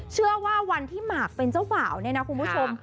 เชื่อว่าวันที่หมากเป็นเจ้าบ่าวเนี่ยนะคุณผู้ชม